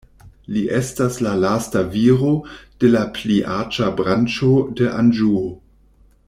Li estas la lasta viro de la pliaĝa branĉo de Anĵuo.